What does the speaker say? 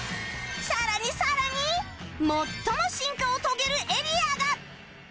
さらにさらに最も進化を遂げるエリアが！